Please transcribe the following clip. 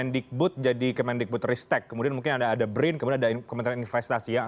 dibut jadi kementerian restek kemudian mungkin ada brin kemudian ada kementerian investasi